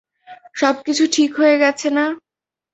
সবকিছু ঠিক হয়ে গেছে না।